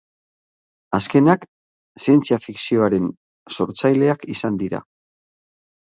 Azkenak zientzia-fikzioaren sortzaileak izan dira.